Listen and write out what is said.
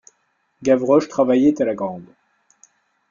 Gavroche travaillait à la grande.